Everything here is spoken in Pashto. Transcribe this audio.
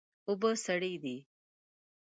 اوبه سړې دي